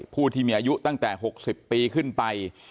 ผู้ที่มีอายุตั้งแต่๖๐ปีขึ้นไป